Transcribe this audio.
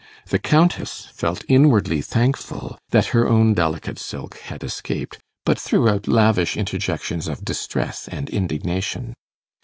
The Countess felt inwardly thankful that her own delicate silk had escaped, but threw out lavish interjections of distress and indignation.